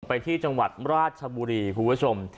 ไปที่จังหวัดราชบุรีคุณผู้ชม